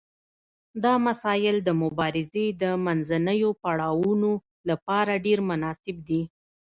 دا مسایل د مبارزې د منځنیو پړاوونو لپاره ډیر مناسب دي.